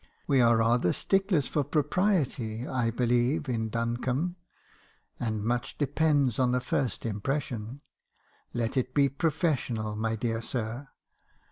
— We are rather sticklers for propriety, I believe, in Duncombe; and much depends on a first impression. Let it be professional, my dear sir.